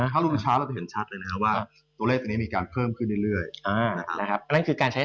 ถ้ารู้ช้าเราจะเห็นชัดเลยนะครับว่าตัวเลขนี้การเพิ่มขึ้นเรื่อย